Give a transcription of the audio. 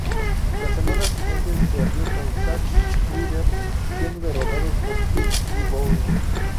La semana siguiente, se alió con Zack Ryder siendo derrotados por Kim y Bourne.